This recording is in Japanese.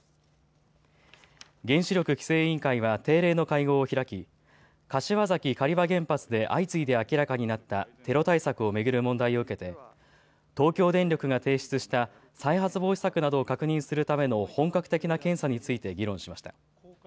原子力規制委員会は定例の会合を開き、柏崎刈羽原発で相次いで明らかになったテロ対策を巡る問題を受けて東京電力が提出した再発防止策などを確認するための本格的な検査について議論しました。